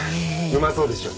うまそうでしょ。